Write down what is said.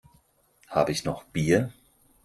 Habe ich noch Bier?